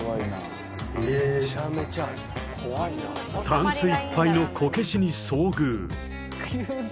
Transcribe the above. タンスいっぱいのこけしに遭遇！